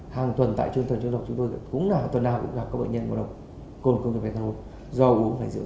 hàng tuần tại trường thần trường độc chúng tôi cũng nào tuần nào cũng gặp các bệnh nhân ngộ độc cồn công nghiệp methanol do uống phải rượu dở